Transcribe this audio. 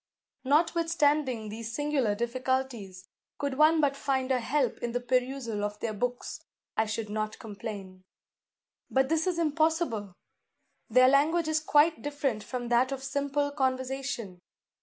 "Notwithstanding these singular difficulties, could one but find a help in the perusal of their books, I should not complain. But this is impossible! Their language is quite different from that of simple conversation.